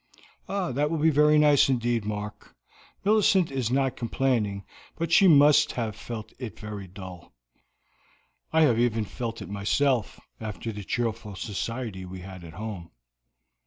"That will be very nice indeed, Mark. Millicent is not complaining, but she must have felt it very dull. I have even felt it so myself after the cheerful society we had at home."